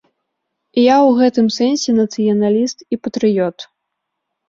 Я ў гэтым сэнсе нацыяналіст і патрыёт.